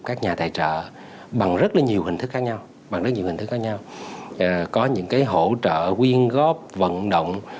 các nhà tài trợ bằng rất nhiều hình thức khác nhau có những hỗ trợ quyên góp vận động